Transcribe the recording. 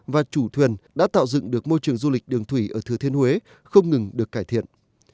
và chủ thuyền đã tạo dựng được môi trường du lịch đường thủy ở thừa thiên huế không ngừng được cải thiện